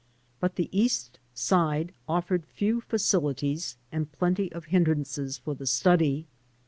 But the East Side offered few facilities and plenty of hindrances for the study.